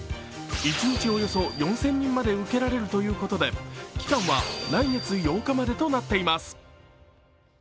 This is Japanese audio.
一日およそ４０００人まで受けられるということで期間は来月８日までとなっています